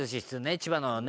千葉のね